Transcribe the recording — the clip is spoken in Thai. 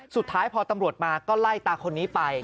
สุดท้ายพอตำรวจมาก็ไล่ตาคนนี้ไป